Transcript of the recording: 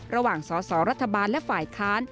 ระหว่างสอสอรัฐบาลและฝ่ายค้าน